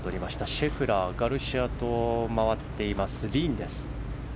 シェフラー、ガルシアと回っています、リンです。